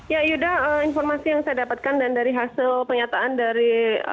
ya yuda informasi yang saya dapatkan dan dari hasil penyataan dari